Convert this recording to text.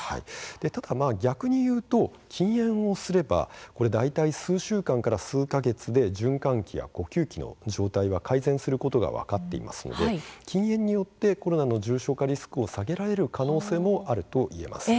ただ逆に言うと禁煙をすれば大体、数週間から数か月で循環器や呼吸器の状態は改善することが分かっていますので禁煙によってコロナの重症化リスクを下げられる可能性もあるといえます。